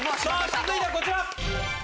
続いてはこちら。